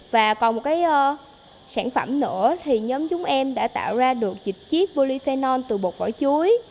và còn một cái sản phẩm nữa thì nhóm chúng em đã tạo ra được dịch chiếc polyphenol từ bột vỏ chuối